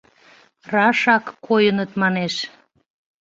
Рашак койыныт манеш!